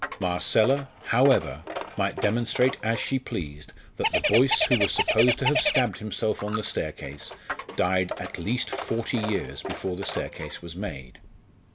Marcella, however, might demonstrate as she pleased that the Boyce who was supposed to have stabbed himself on the staircase died at least forty years before the staircase was made.